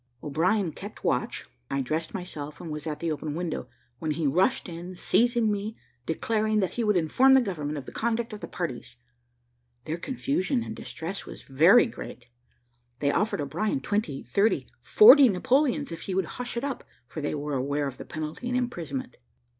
O'Brien kept watch I dressed myself, and was at the open window, when he rushed in, seizing me and declaring that he would inform the government of the conduct of the parties. Their confusion and distress was very great. They offered O'Brien twenty, thirty, forty Napoleons, if he would hush it up, for they were aware of the penalty and imprisonment.